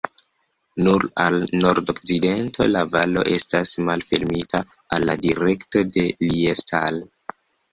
Nur al nordokcidento la valo estas malfermita al la direkto de Liestal.